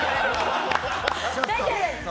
大丈夫です。